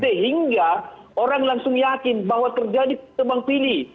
sehingga orang langsung yakin bahwa terjadi tebang pilih